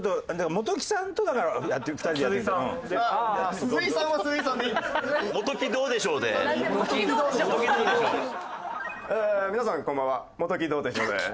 「元木どうでしょう」です。